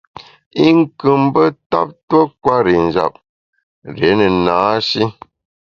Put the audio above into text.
I nkù mbe ntap tuo kwer i njap, rié ne na-shi.